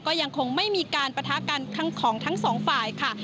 ก็ยังคงไม่มีการปะทะกันของทั้งสองฝ่ายค่ะ